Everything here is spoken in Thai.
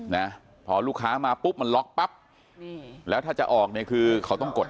นะพอลูกค้ามาปุ๊บมันล็อกปั๊บนี่แล้วถ้าจะออกเนี่ยคือเขาต้องกด